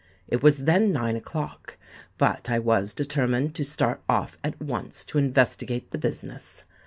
It was then nine o'clock; but I was determined to start off at once to investigate the business.